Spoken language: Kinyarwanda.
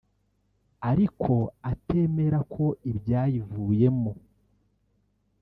ariko atemera ibyayivuyemo